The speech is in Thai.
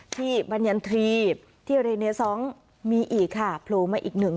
ที่บรรยันทรีย์ที่เรเนียสองมีอีกค่ะโผล่มาอีกหนึ่ง